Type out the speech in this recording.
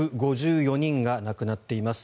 １５４人が亡くなっています。